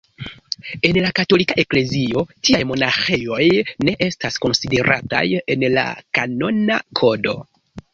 En la Katolika Eklezio tiaj monaĥejoj ne estas konsiderataj en la Kanona Kodo.